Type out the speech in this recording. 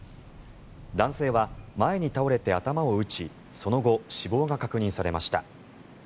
男性は前に倒れて頭を打ちその後、死亡が確認されました。